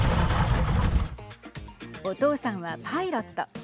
お父さんはパイロット。